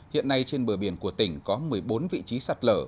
hiện nay trên bờ biển của tỉnh có một mươi bốn vị trí sạt lở